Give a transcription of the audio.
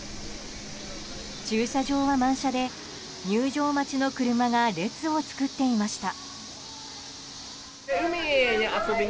駐車場は満車で入場待ちの車が列を作っていました。